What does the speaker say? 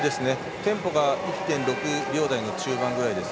テンポが１．６秒台の中盤くらいです。